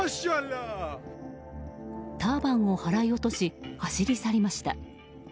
ターバンを払い落とし走り去りました。